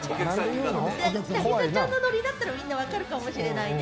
凪咲ちゃんのノリだったら、みんな分かるかもしれないね。